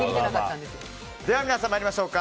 では皆さん、参りましょう。